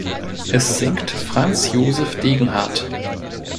Es singt Franz Josef Degenhardt.